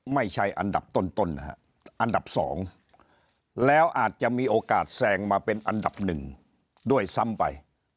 ไม่ใช่อันดับต้นนะฮะอันดับ๒แล้วอาจจะมีโอกาสแซงมาเป็นอันดับหนึ่งด้วยซ้ำไป